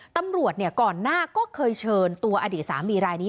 ตำรวจก่อนหน้าก็เคยเชิญตัวอดีตสามีรายนี้